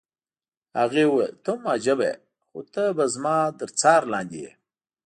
هغې وویل: ته هم عجبه يې، خو ته به زما تر څار لاندې یې.